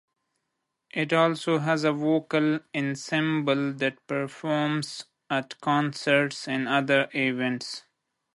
It also has a vocal ensemble that performs at concerts and other events.